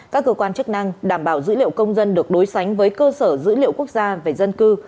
các cơ quan chức năng đảm bảo dữ liệu công dân được đối sánh với cơ sở dữ liệu quốc gia về dân cư